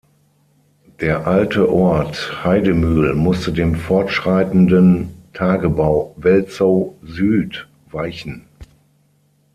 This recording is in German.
Der alte Ort Haidemühl musste dem fortschreitenden Tagebau Welzow-Süd weichen.